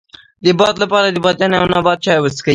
د باد لپاره د بادیان او نبات چای وڅښئ